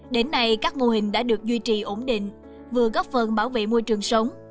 đến nay các mô hình đã được duy trì ổn định vừa góp phần bảo vệ môi trường sống